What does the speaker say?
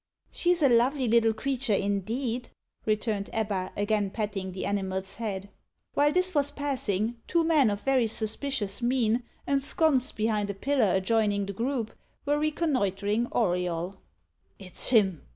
"She's a lovely little creature, indeed," returned Ebba, again patting the animal's head. While this was passing, two men of very suspicious mien, ensconced behind a pillar adjoining the group, were reconnoitring Auriol. "It's him!"